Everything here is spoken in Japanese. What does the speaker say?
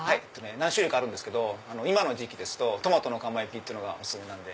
何種類かあるんですけど今の時期ですとトマトの釜焼がお薦めなんで。